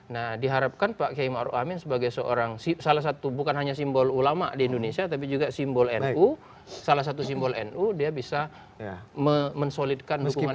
nah diharapkan pak kiai ⁇ maruf ⁇ amin sebagai seorang salah satu bukan hanya simbol ulama di indonesia tapi juga simbol nu salah satu simbol nu dia bisa mensolidkan dukungan nu